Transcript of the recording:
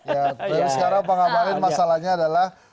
dari sekarang pengabaran masalahnya adalah